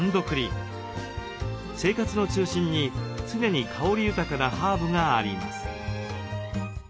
生活の中心に常に香り豊かなハーブがあります。